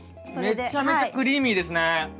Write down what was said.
めちゃめちゃクリーミーですね。